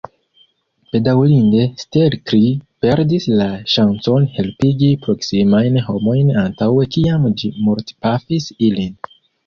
Bedaŭrinde, Stelkri perdis la ŝancon helpigi proksimajn homojn antaŭe kiam ĝi mortpafis ilin.